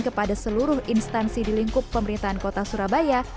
kepada seluruh instansi di lingkup pemerintahan kota surabaya